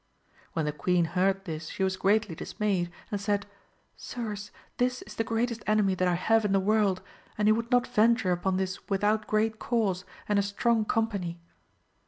When the queen heard this she was greatly dismayed, and said, Sirs, this is the greatest enemy that I have in the world, and he would not venture upon this with out great cause, and a strong company.